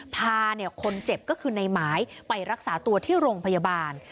พาคนเจ็บก็คือในหมายไปรักษาตัวที่โรงพยาบาล